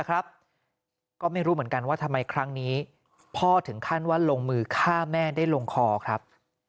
ก็ไม่รู้เหมือนกันว่าทำไมครั้งนี้พ่อถึงขั้นว่าลงมือฆ่าแม่ได้ลงคอครับ